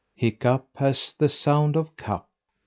Hiccough has the sound of "cup"......